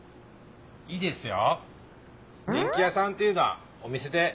いいですよ。